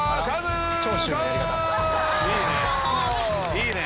いいね！